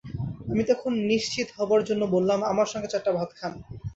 আমি তখন নিশ্চিত হবার জন্যে বললাম, আমার সঙ্গে চারটা ভাত খান।